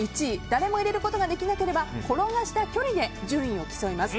誰も入れることができなければ転がした距離で順位を競います。